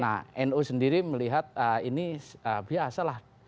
nah nu sendiri melihat ini biasalah